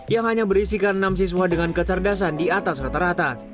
yang hanya berisikan enam siswa dengan kecerdasan di atas rata rata